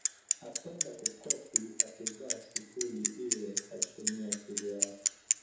Apenda kukopi akiva sikuli iye hachumii akili ake.